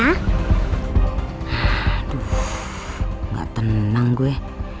aduh gak tenang gue